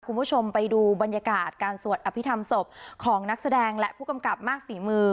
คุณผู้ชมไปดูบรรยากาศการสวดอภิษฐรรมศพของนักแสดงและผู้กำกับมากฝีมือ